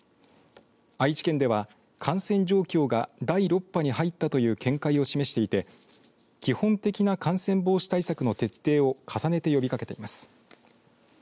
愛知県では、感染状況が第６波に入ったという見解を示していて基本的な感染防止対策の徹底を重ねて呼びかけています。